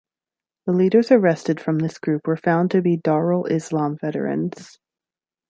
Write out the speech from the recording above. The leaders arrested from this group were found to be Darul Islam veterans.